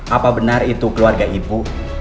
apa benar itu keluarga ibu